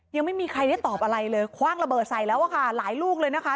ยังไม่มีใครได้ตอบอะไรเลยคว่างระเบิดใส่แล้วอะค่ะหลายลูกเลยนะคะ